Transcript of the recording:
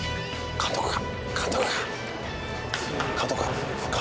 監督か？